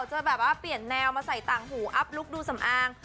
จะแบบว่าเปลี่ยนแนวมาใส่ต่างหูอัพลุคดูสำอาง